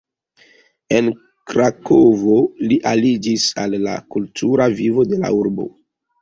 En Krakovo li aliĝis al la kultura vivo de la urbo.